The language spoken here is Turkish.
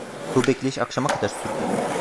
Bu bekleyiş akşama kadar sürdü.